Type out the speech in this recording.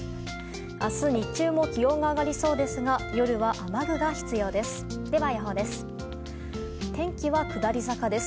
明日日中も気温が上がりそうですが夜は雨具が必要です。